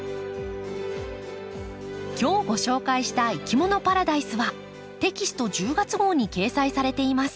今日ご紹介した「いきものパラダイス」はテキスト１０月号に掲載されています。